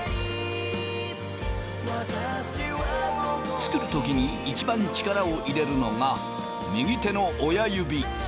作る時に一番力を入れるのが右手の親指。